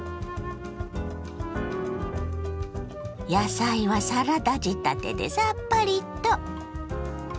野菜はサラダ仕立てでさっぱりと。